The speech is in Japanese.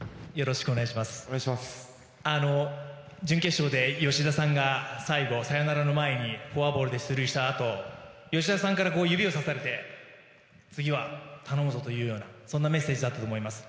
準決勝で吉田さんが最後サヨナラの前にフォアボールで出塁したあと吉田さんから指をさされて次は頼むぞというようなメッセージだったと思います。